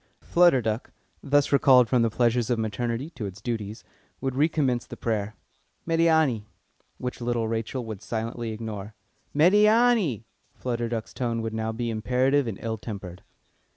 Flutter Duck, thus recalled from the pleasures of maternity to its duties, would recommence the prayer. "Médiâni!" Which little Rachel would silently ignore. "Médiâni!" Flutter Duck's tone would now be imperative and ill tempered.